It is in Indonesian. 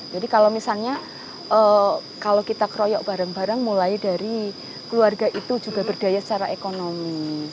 jadi kalau misalnya kalau kita keroyok bareng bareng mulai dari keluarga itu juga berdaya secara ekonomi